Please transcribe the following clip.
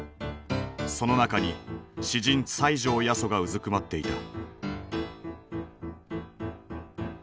その中に詩人西條八十がうずくまっていた。